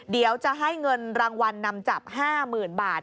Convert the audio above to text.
เดี๋ยวจะให้เงินรางวัลนำจับ๕๐๐๐บาท